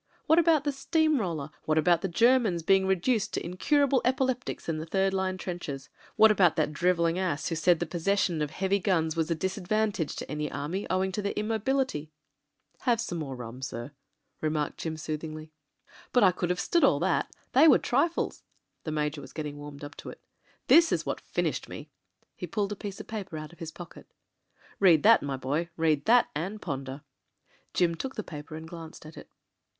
"What about the steam roller, what about the Ger mans being reduced to incurable epileptics in the third line trenches — ^what about that drivelling ass who said the possession of heavy guns was a disadvantage to an army owing to their immobility ?" "Have some more rum, sir?" remarked Jim sooth ingly. "But I could have stood all that — ^they were trifles." The Major was getting warmed up to it. "This is what finished me." He pulled a piece of paper out of his pocket. "Read that, my boy — read that and pon der." Jim took the paper and glanced at it.